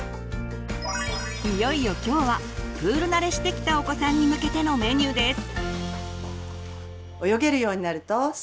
いよいよ今日はプール慣れしてきたお子さんに向けてのメニューです。